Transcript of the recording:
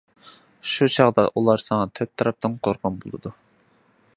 شۇ چاغدا ئۇلار ساڭا تۆت تەرەپتىن قورغان بولىدۇ!